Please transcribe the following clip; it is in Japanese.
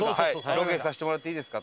ロケさせてもらっていいですか？